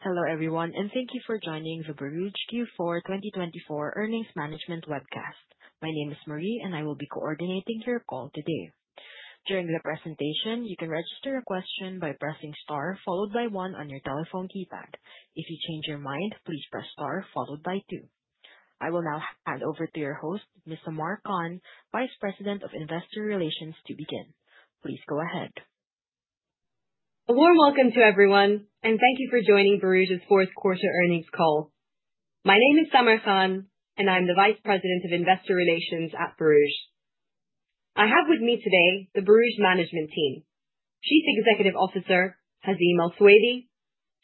Hello everyone, and thank you for joining the Borouge Q4 2024 Earnings Management webcast. My name is Marie, and I will be coordinating your call today. During the presentation, you can register a question by pressing star followed by one on your telephone keypad. If you change your mind, please press star followed by two. I will now hand over to your host, Ms. Samar Khan, Vice President of Investor Relations, to begin. Please go ahead. A warm welcome to everyone, and thank you for joining Borouge's fourth quarter earnings call. My name is Samar Khan, and I'm the Vice President of Investor Relations at Borouge. I have with me today the Borouge Management Team. Chief Executive Officer, Hazeem Al Suwaidi,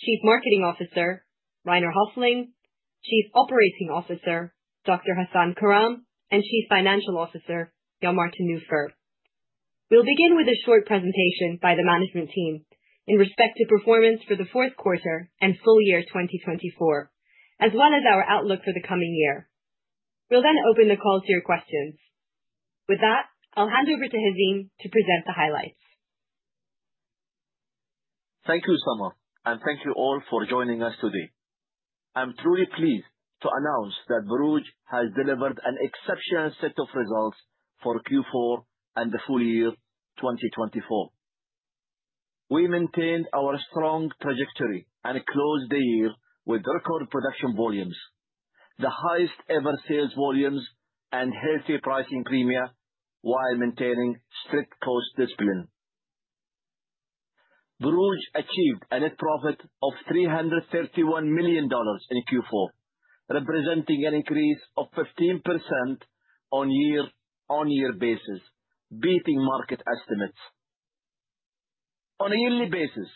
Chief Marketing Officer, Rainer Hoefling, Chief Operating Officer, Dr. Hasan Karam, and Chief Financial Officer, Jan-Martin Nufer. We'll begin with a short presentation by the Management Team in respect to performance for the fourth quarter and full year 2024, as well as our outlook for the coming year. We'll then open the call to your questions. With that, I'll hand over to Hazeem to present the highlights. Thank you, Samar, and thank you all for joining us today. I'm truly pleased to announce that Borouge has delivered an exceptional set of results for Q4 and the full year 2024. We maintained our strong trajectory and closed the year with record production volumes, the highest-ever sales volumes, and healthy pricing premia while maintaining strict cost discipline. Borouge achieved a net profit of $331 million in Q4, representing an increase of 15% on a year-on-year basis, beating market estimates. On a yearly basis,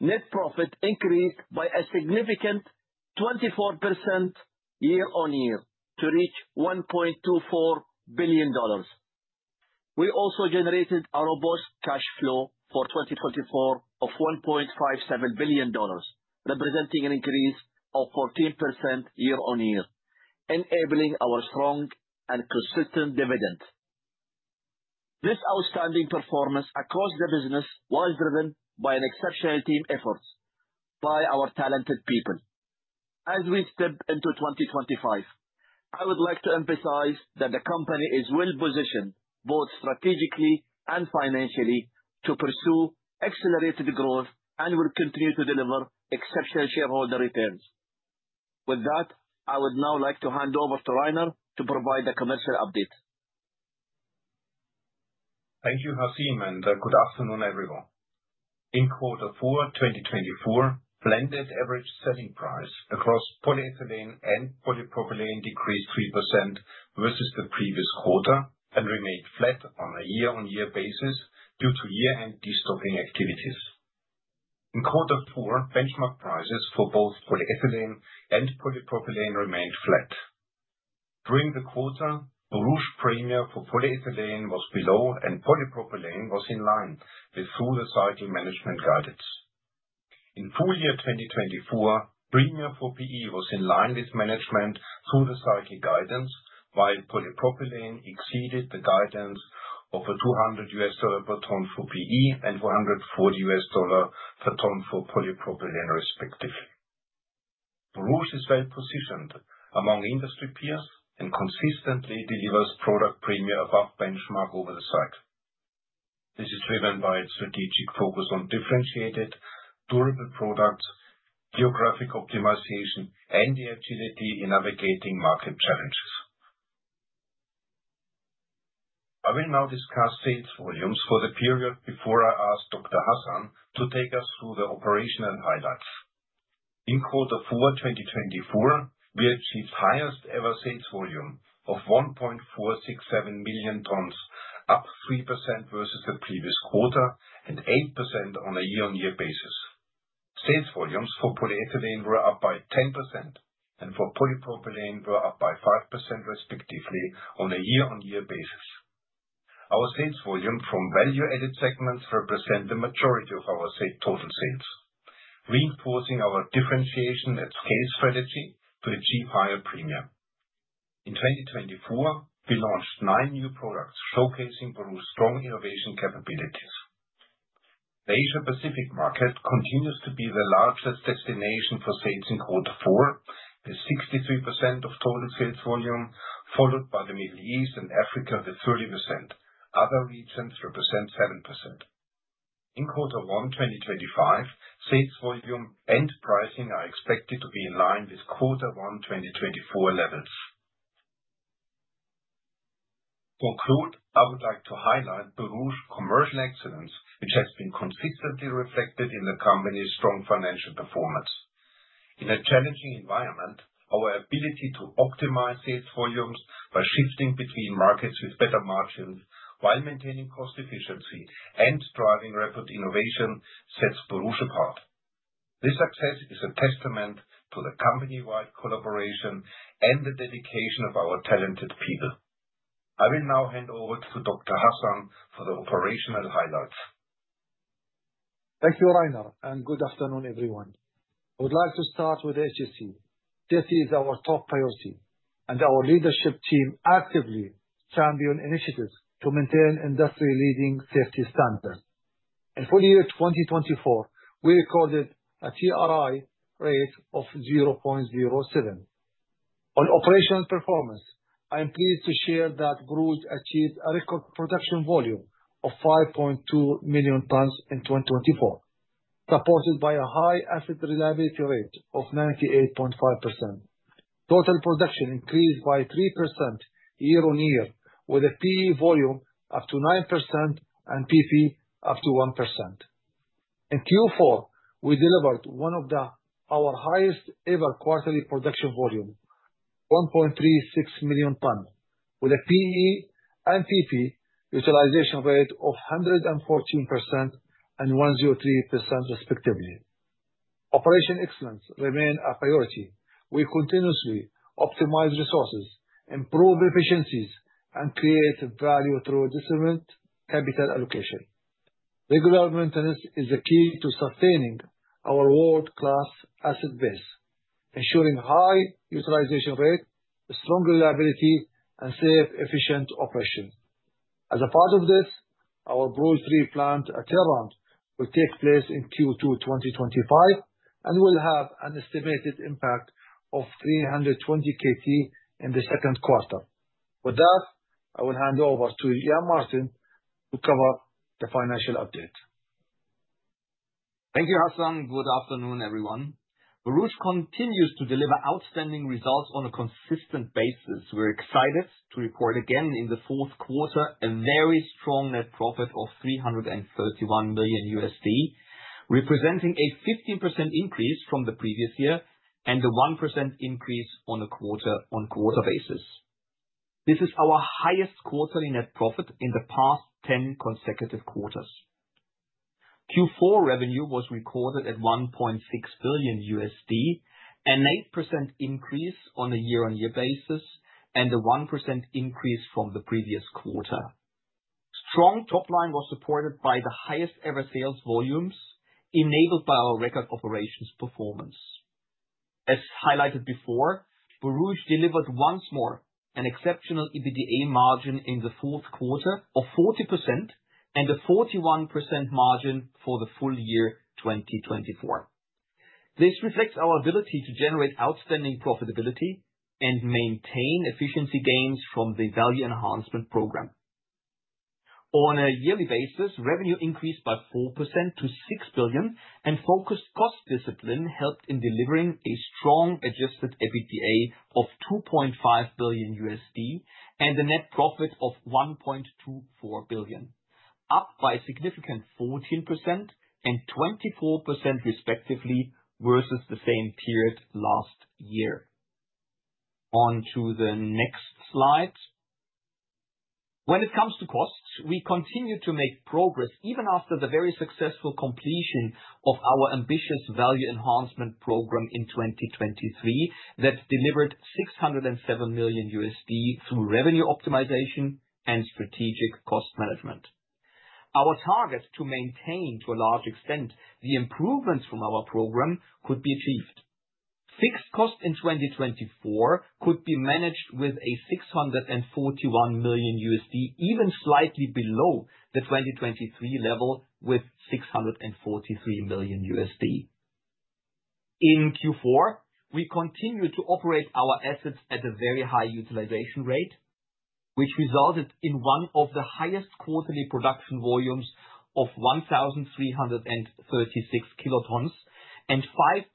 net profit increased by a significant 24% year-on-year to reach $1.24 billion. We also generated a robust cash flow for 2024 of $1.57 billion, representing an increase of 14% year-on-year, enabling our strong and consistent dividend. This outstanding performance across the business was driven by exceptional team efforts by our talented people. As we step into 2025, I would like to emphasize that the company is well-positioned both strategically and financially to pursue accelerated growth and will continue to deliver exceptional shareholder returns. With that, I would now like to hand over to Rainer to provide the commercial update. Thank you, Hazeem, and good afternoon, everyone. In Q4 2024, blended average selling price across polyethylene and polypropylene decreased 3% versus the previous quarter and remained flat on a year-on-year basis due to year-end destocking activities. In Q4, benchmark prices for both polyethylene and polypropylene remained flat. During the quarter, Borouge premia for polyethylene was below, and polypropylene was in line with through-the-cycle management guidance. In full year 2024, premia for PE was in line with management through-the-cycle guidance, while polypropylene exceeded the guidance of $200 per ton for PE and $140 per ton for polypropylene, respectively. Borouge is well-positioned among industry peers and consistently delivers product premia above benchmark over the cycle. This is driven by its strategic focus on differentiated, durable products, geographic optimization, and the agility in navigating market challenges. I will now discuss sales volumes for the period before I ask Dr. Hasan to take us through the operational highlights. In Q4 2024, we achieved highest-ever sales volume of 1.467 million tons, up 3% versus the previous quarter and 8% on a year-on-year basis. Sales volumes for polyethylene were up by 10%, and for polypropylene were up by 5%, respectively, on a year-on-year basis. Our sales volume from value-added segments represents the majority of our total sales, reinforcing our differentiation and scale strategy to achieve higher premia. In 2024, we launched nine new products, showcasing Borouge's strong innovation capabilities. The Asia-Pacific market continues to be the largest destination for sales in Q4, with 63% of total sales volume, followed by the Middle East and Africa with 30%. Other regions represent 7%. In Q1 2025, sales volume and pricing are expected to be in line with Q1 2024 levels. To conclude, I would like to highlight Borouge's commercial excellence, which has been consistently reflected in the company's strong financial performance. In a challenging environment, our ability to optimize sales volumes by shifting between markets with better margins while maintaining cost efficiency and driving rapid innovation sets Borouge apart. This success is a testament to the company-wide collaboration and the dedication of our talented people. I will now hand over to Dr. Hasan for the operational highlights. Thank you, Rainer, and good afternoon, everyone. I would like to start with HSE. Safety is our top priority, and our leadership team actively champions initiatives to maintain industry-leading safety standards. In full year 2024, we recorded a TRI rate of 0.07. On operational performance, I am pleased to share that Borouge achieved a record production volume of 5.2 million tons in 2024, supported by a high asset reliability rate of 98.5%. Total production increased by 3% year-on-year, with a PE volume up to 9% and PP up to 1%. In Q4, we delivered one of our highest-ever quarterly production volumes, 1.36 million tons, with a PE and PP utilization rate of 114% and 103%, respectively. Operational excellence remains a priority. We continuously optimize resources, improve efficiencies, and create value through discernment and capital allocation. Regular maintenance is the key to sustaining our world-class asset base, ensuring high utilization rates, strong reliability, and safe, efficient operations. As a part of this, our Borouge 3 plant turnaround will take place in Q2 2025 and will have an estimated impact of 320 kilotons in the second quarter. With that, I will hand over to Jan-Martin to cover the financial update. Thank you, Hasan. Good afternoon, everyone. Borouge continues to deliver outstanding results on a consistent basis. We're excited to report again in the fourth quarter a very strong net profit of $331 million, representing a 15% increase from the previous year and a 1% increase on a quarter-on-quarter basis. This is our highest quarterly net profit in the past 10 consecutive quarters. Q4 revenue was recorded at $1.6 billion, an 8% increase on a year-on-year basis, and a 1% increase from the previous quarter. Strong top line was supported by the highest-ever sales volumes enabled by our record operations performance. As highlighted before, Borouge delivered once more an exceptional EBITDA margin in the fourth quarter of 40% and a 41% margin for the full year 2024. This reflects our ability to generate outstanding profitability and maintain efficiency gains from the Value Enhancement Program. On a yearly basis, revenue increased by 4% to $6 billion, and focused cost discipline helped in delivering a strong adjusted EBITDA of $2.5 billion and a net profit of $1.24 billion, up by a significant 14% and 24%, respectively, versus the same period last year. On to the next slide. When it comes to costs, we continue to make progress even after the very successful completion of our ambitious Value Enhancement Program in 2023 that delivered $607 million through revenue optimization and strategic cost management. Our target to maintain, to a large extent, the improvements from our program could be achieved. Fixed costs in 2024 could be managed with a $641 million, even slightly below the 2023 level with $643 million. In Q4, we continued to operate our assets at a very high utilization rate, which resulted in one of the highest quarterly production volumes of 1,336 kilotons and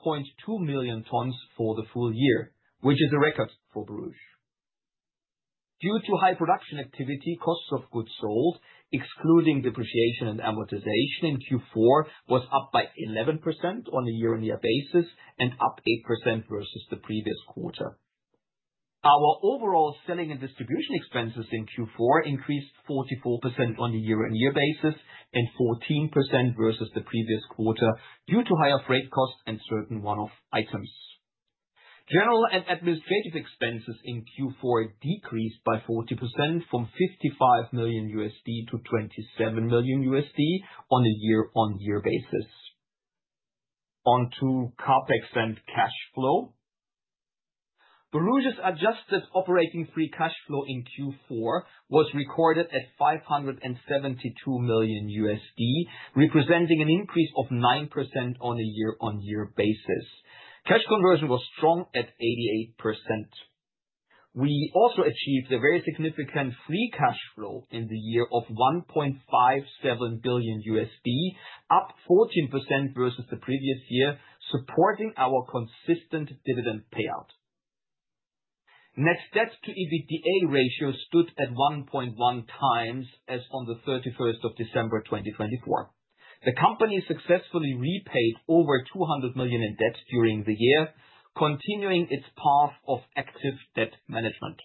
5.2 million tons for the full year, which is a record for Borouge. Due to high production activity, costs of goods sold, excluding depreciation and amortization in Q4, were up by 11% on a year-on-year basis and up 8% versus the previous quarter. Our overall selling and distribution expenses in Q4 increased 44% on a year-on-year basis and 14% versus the previous quarter due to higher freight costs and certain one-off items. General and administrative expenses in Q4 decreased by 40% from $55 million to $27 million on a year-on-year basis. On to CapEx and cash flow. Borouge's adjusted operating free cash flow in Q4 was recorded at $572 million, representing an increase of 9% on a year-on-year basis. Cash conversion was strong at 88%. We also achieved a very significant free cash flow in the year of $1.57 billion, up 14% versus the previous year, supporting our consistent dividend payout. Net debt-to-EBITDA ratio stood at 1.1x as on the 31st of December 2024. The company successfully repaid over $200 million in debt during the year, continuing its path of active debt management.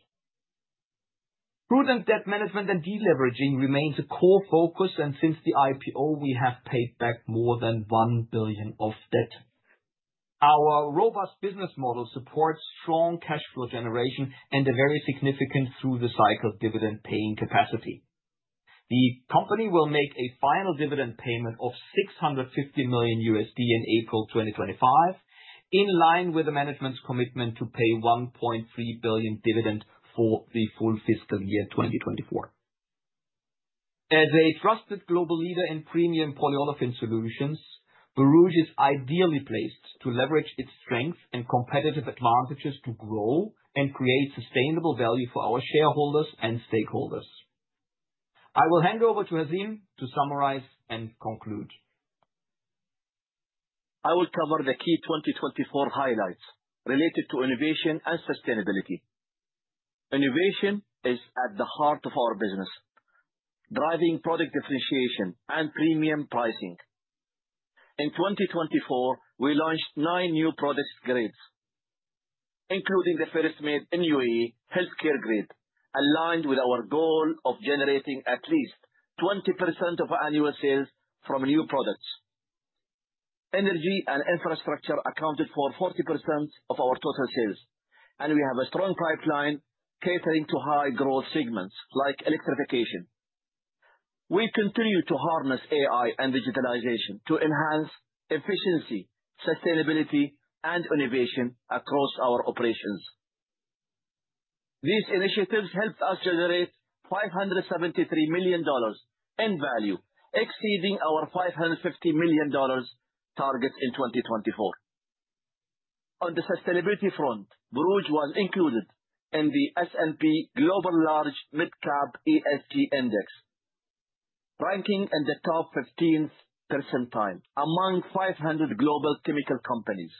Prudent debt management and deleveraging remain a core focus, and since the IPO, we have paid back more than $1 billion of debt. Our robust business model supports strong cash flow generation and a very significant through-the-cycle dividend paying capacity. The company will make a final dividend payment of $650 million in April 2025, in line with the management's commitment to pay $1.3 billion dividend for the full fiscal year 2024. As a trusted global leader in premium polyolefin solutions, Borouge is ideally placed to leverage its strengths and competitive advantages to grow and create sustainable value for our shareholders and stakeholders. I will hand over to Hazeem to summarize and conclude. I will cover the key 2024 highlights related to innovation and sustainability. Innovation is at the heart of our business, driving product differentiation and premium pricing. In 2024, we launched nine new product grades, including the first made-in-UAE healthcare grade, aligned with our goal of generating at least 20% of annual sales from new products. Energy and infrastructure accounted for 40% of our total sales, and we have a strong pipeline catering to high-growth segments like electrification. We continue to harness AI and digitalization to enhance efficiency, sustainability, and innovation across our operations. These initiatives helped us generate $573 million in value, exceeding our $550 million target in 2024. On the sustainability front, Borouge was included in the S&P Global LargeMidCap ESG Index, ranking in the top 15th percentile among 500 global chemical companies.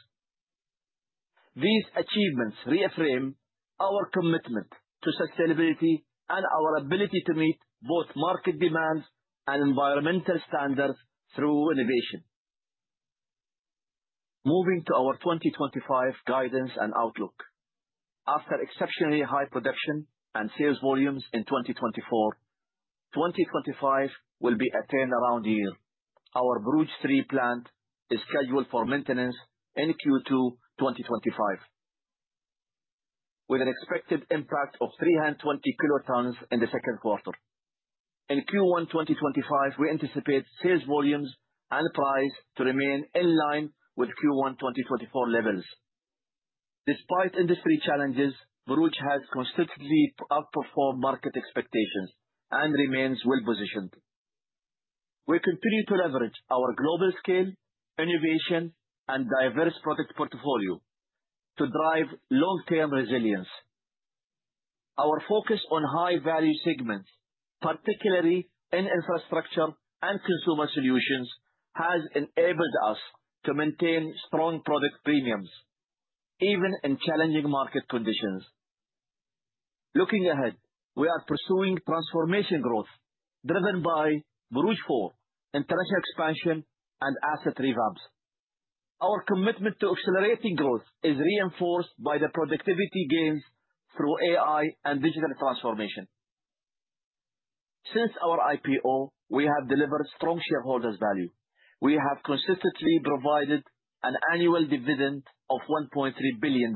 These achievements reframe our commitment to sustainability and our ability to meet both market demands and environmental standards through innovation. Moving to our 2025 guidance and outlook. After exceptionally high production and sales volumes in 2024, 2025 will be a turnaround year. Our Borouge 3 plant is scheduled for maintenance in Q2 2025, with an expected impact of 320 kilotons in the second quarter. In Q1 2025, we anticipate sales volumes and price to remain in line with Q1 2024 levels. Despite industry challenges, Borouge has consistently outperformed market expectations and remains well-positioned. We continue to leverage our global scale, innovation, and diverse product portfolio to drive long-term resilience. Our focus on high-value segments, particularly in infrastructure and consumer solutions, has enabled us to maintain strong product premiums even in challenging market conditions. Looking ahead, we are pursuing transformational growth driven by Borouge 4, international expansion, and asset revamps. Our commitment to accelerating growth is reinforced by the productivity gains through AI and digital transformation. Since our IPO, we have delivered strong shareholders' value. We have consistently provided an annual dividend of $1.3 billion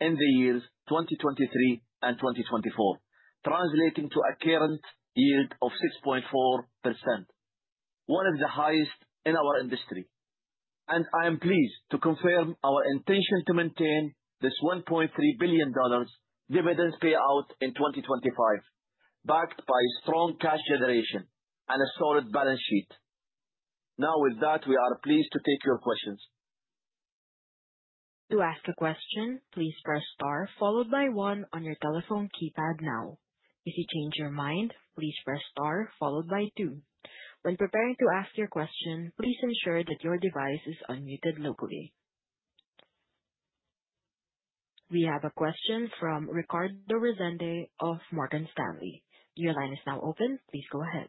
in the years 2023 and 2024, translating to a current yield of 6.4%, one of the highest in our industry, and I am pleased to confirm our intention to maintain this $1.3 billion dividend payout in 2025, backed by strong cash generation and a solid balance sheet. Now, with that, we are pleased to take your questions. To ask a question, please press star followed by one on your telephone keypad now. If you change your mind, please press star followed by two. When preparing to ask your question, please ensure that your device is unmuted locally. We have a question from Ricardo Rezende of Morgan Stanley. Your line is now open. Please go ahead.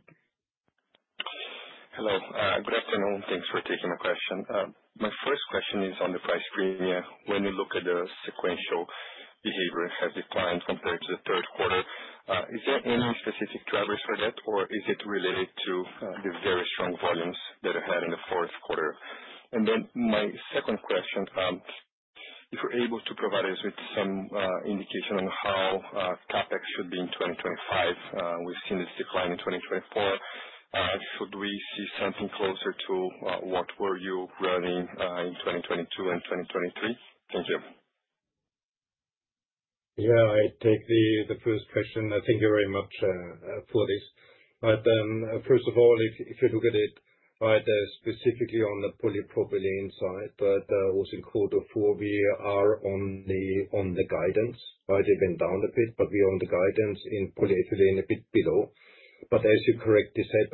Hello. Good afternoon. Thanks for taking my question. My first question is on the price premium. When you look at the sequential behavior, it has declined compared to the third quarter. Is there any specific drivers for that, or is it related to the very strong volumes that you had in the fourth quarter? And then my second question, if you're able to provide us with some indication on how CapEx should be in 2025? We've seen this decline in 2024. Should we see something closer to what were you running in 2022 and 2023? Thank you. Yeah, I take the first question. Thank you very much for this. First of all, if you look at it specifically on the polypropylene side, that was in quarter four, we are on the guidance. It went down a bit, but we are on the guidance in polyethylene a bit below. But as you correctly said,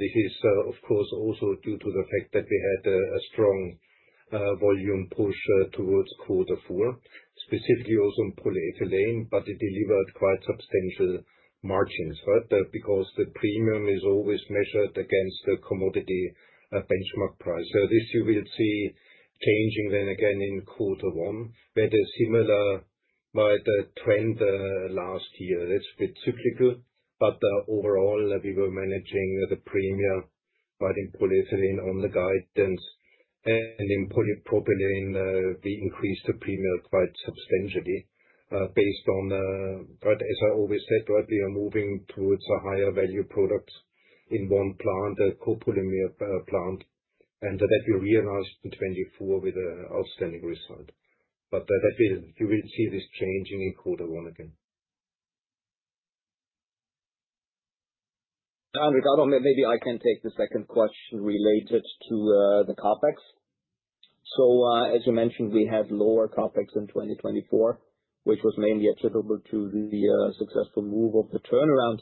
this is, of course, also due to the fact that we had a strong volume push towards quarter four, specifically also in polyethylene, but it delivered quite substantial margins because the premium is always measured against the commodity benchmark price. So this you will see changing then again in quarter one, where there's a similar trend last year. It's a bit cyclical, but overall, we were managing the premium in polyethylene on the guidance. In polypropylene, we increased the premium quite substantially based on, as I always said, we are moving towards a higher-value product in one plant, a copolymer plant, and that we realized in 2024 with an outstanding result. You will see this changing in quarter one again. Ricardo, maybe I can take the second question related to the CapEx. So as you mentioned, we had lower CapEx in 2024, which was mainly attributable to the successful move of the turnaround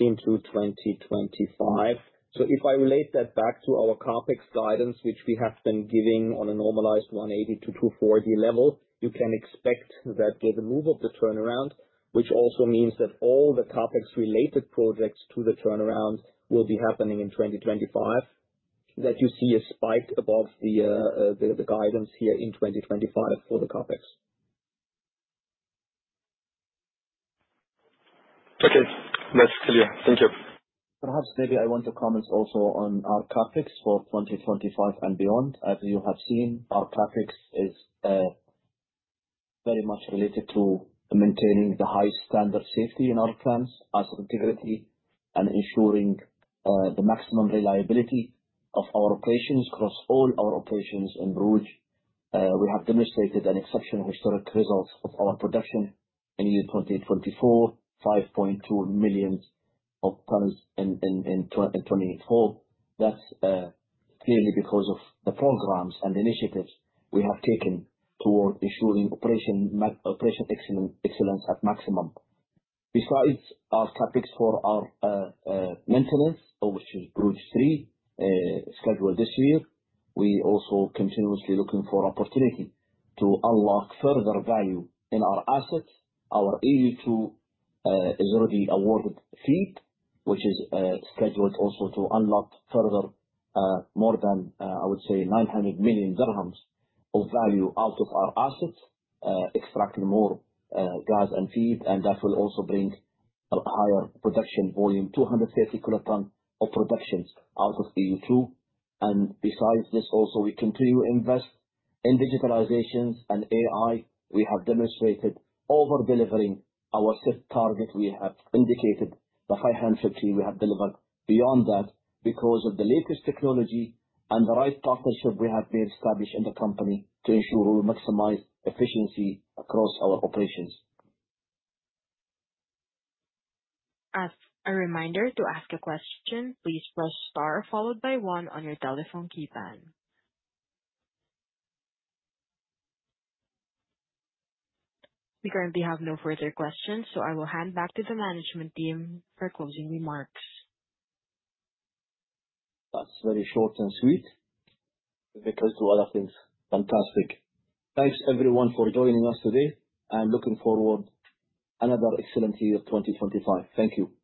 into 2025. So if I relate that back to our CapEx guidance, which we have been giving on a normalized 180 to 240 level, you can expect that with the move of the turnaround, which also means that all the CapEx-related projects to the turnaround will be happening in 2025, that you see a spike above the guidance here in 2025 for the CapEx. Okay. That's clear. Thank you. Perhaps maybe I want to comment also on our CapEx for 2025 and beyond. As you have seen, our CapEx is very much related to maintaining the high standard safety in our plants, asset integrity, and ensuring the maximum reliability of our operations across all our operations in Borouge. We have demonstrated an exceptional historic result of our production in year 2024, 5.2 million tons in 2024. That's clearly because of the programs and initiatives we have taken toward ensuring operational excellence at maximum. Besides our CapEx for our maintenance, which is Borouge 3, scheduled this year, we are also continuously looking for opportunities to unlock further value in our assets. Our EU2 is already awarded FEED, which is scheduled also to unlock further more than, I would say, 900 million dirhams of value out of our assets, extracting more gas and feed, and that will also bring a higher production volume, 230 kilotons of production out of EU2. Besides this, also, we continue to invest in digitalization and AI. We have demonstrated over-delivering our set target. We have indicated the 550 we have delivered beyond that because of the latest technology and the right partnership we have been established in the company to ensure we maximize efficiency across our operations. As a reminder to ask a question, please press star followed by one on your telephone keypad. We currently have no further questions, so I will hand back to the management team for closing remarks. That's very short and sweet. We'll make a little other things. Fantastic. Thanks, everyone, for joining us today. I'm looking forward to another excellent year 2025. Thank you.